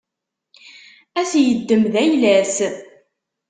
Ad t-iddem d ayla-s.